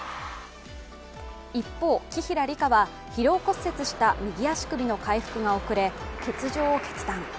一方、紀平梨花は疲労骨折した右足首の回復が遅れ、欠場を決断。